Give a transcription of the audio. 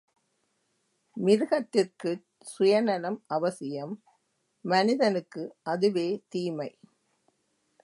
மிருகத்திற்குச் சுயநலம் அவசியம் மனிதனுக்கு அதுவே தீமை.